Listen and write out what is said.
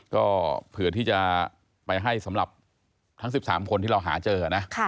ก็เผื่อที่จะไปให้สำหรับทั้ง๑๓คนที่เราหาเจอนะ